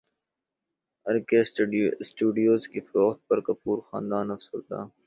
ار کے اسٹوڈیوز کی فروخت پر کپور خاندان افسردہ